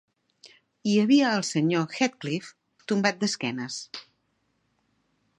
Hi havia el senyor Heathcliff, tombat d'esquenes.